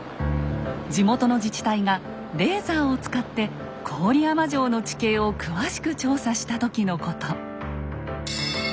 地元の自治体がレーザーを使って郡山城の地形を詳しく調査した時のこと。